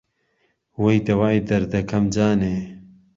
وهی دهوای دهردهکهم جانێ